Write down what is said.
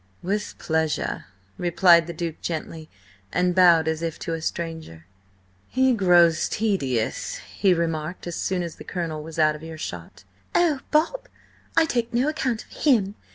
"With pleasure," replied the Duke gently, and bowed as if to a stranger. "He grows tedious," he remarked, as soon as the Colonel was out of earshot. "Oh, Bob! I take no account of him!